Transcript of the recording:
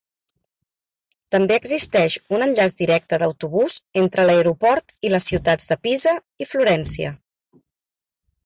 També existeix un enllaç directe d'autobús entre l'aeroport i les ciutats de Pisa i Florència.